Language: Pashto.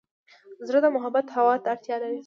زړه د محبت هوا ته اړتیا لري.